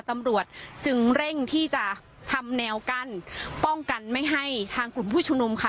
ตำรวจจึงเร่งที่จะทำแนวกั้นป้องกันไม่ให้ทางกลุ่มผู้ชุมนุมค่ะ